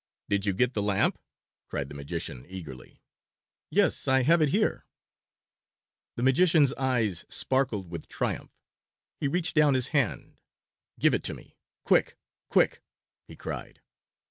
"Did you get the lamp?" cried the magician eagerly. "Yes, I have it here." The magician's eyes sparkled with triumph. He reached down his hand. "Give it to me, quick, quick!" he cried.